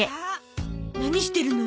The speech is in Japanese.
何してるの？